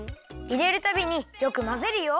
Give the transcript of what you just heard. いれるたびによくまぜるよ。